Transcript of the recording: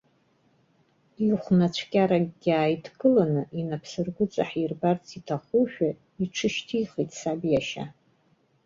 Ихәнацәкьаракгьы ааидкылан, инапсыргәыҵа ҳирбарц иҭахушәа, иҽышьҭихит саб иашьа.